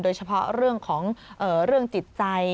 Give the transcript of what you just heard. โดยเฉพาะเรื่องของเรื่องจิตใจ